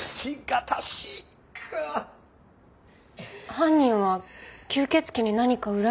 犯人は吸血鬼に何か恨みでもあるのかな？